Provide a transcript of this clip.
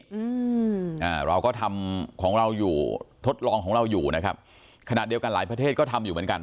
อืมอ่าเราก็ทำของเราอยู่ทดลองของเราอยู่นะครับขณะเดียวกันหลายประเทศก็ทำอยู่เหมือนกัน